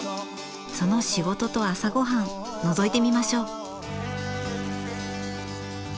その仕事と朝ごはんのぞいてみましょう。